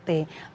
tahu dari mana